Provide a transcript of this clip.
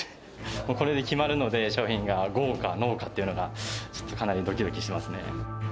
これで決まるので、商品がＧＯかＮＯかっていうのが、ちょっとかなりどきどきしますね。